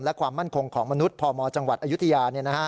และความมั่นคงของมนุษย์พมจังหวัดอายุทยา